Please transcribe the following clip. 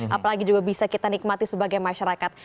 apalagi juga bisa kita nikmati sebagai masyarakat